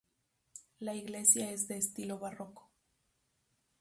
La iglesia es de estilo barroco.